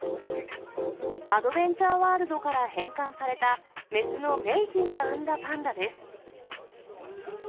アドベンチャーワールドから返還された、雌の梅浜が産んだパンダです。